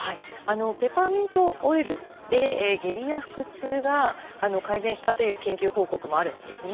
ペパーミントオイルで下痢や腹痛が改善したという研究報告もあるんですね。